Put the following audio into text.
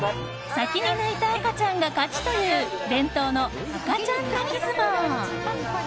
先に泣いた赤ちゃんが勝ちという伝統の赤ちゃん泣き相撲。